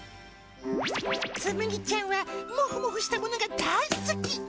つむぎちゃんは、モフモフしたものが大好き。